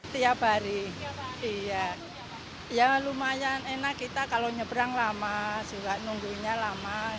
tiap hari lumayan enak kita kalau nyebrang lama nungguinnya lama